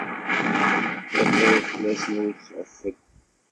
Tiṭ-iw fell-asen ur tɣeffel.